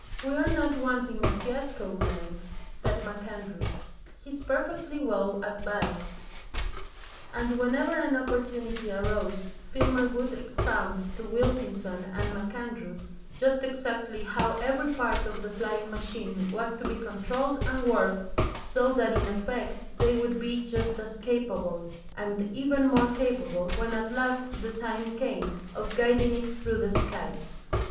"We're not wanting a fiasco, man," said MacAndrew. "He's perfectly well advised." And whenever an opportunity arose Filmer would expound to Wilkinson and MacAndrew just exactly how every part of the flying machine was to be controlled and worked, so that in effect they would be just as capable, and even more capable, when at last the time came, of guiding it through the skies.